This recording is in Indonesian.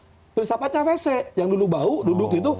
seharusnya dia dapatnya wc yang dulu bau duduk gitu